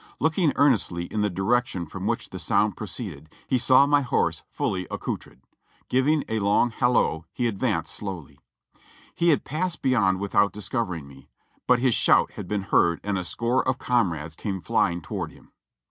Looking earnestly in the direction from which the sound pro ceeded, he saw my horse fully accoutred. Giving a long halloo he advanced slowly. He had passed beyond without discovering me, but his shout had been heard and a score of comrades came flying toward him.